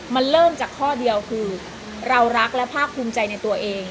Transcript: มันเริ่มจากข้อเดียวคือเรารักและภาคภูมิใจในตัวเอง